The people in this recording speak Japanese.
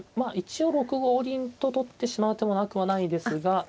あ一応６五銀と取ってしまう手もなくはないですが。